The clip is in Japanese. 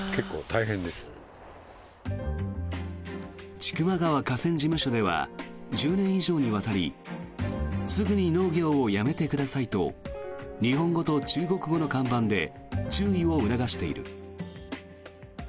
千曲川河川事務所では１０年以上にわたりすぐに農業をやめてくださいと日本語と中国語の看板で注意を促している。